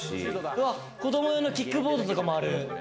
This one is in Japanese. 子ども用のキックボードとかもある。